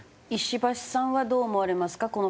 石橋さんはどう思われますか？